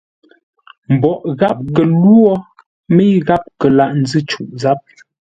Mboʼ gháp kə lwô, mə́i gháp kə laghʼ ńzʉ́ cûʼ záp.